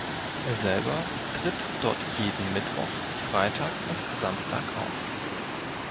Er selber tritt dort jeden Mittwoch, Freitag und Samstag auf.